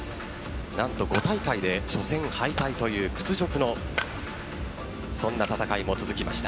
何と５大会で初戦敗退という屈辱のそんな戦いも続きました。